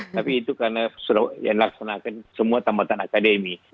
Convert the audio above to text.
tapi itu karena yang dilaksanakan semua tambatan akademi